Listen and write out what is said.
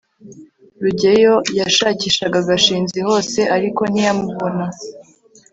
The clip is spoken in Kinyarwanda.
rugeyo yashakishaga gashinzi hose, ariko ntiyamubona